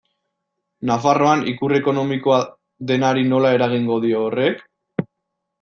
Nafarroan ikur ekonomikoa denari nola eragingo dio horrek?